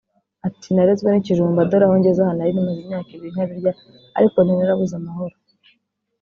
Ati “Narezwe n’ikijumba dore aho ngeze aha nari maze imyaka ibiri nta birya ariko nari narabuze amahoro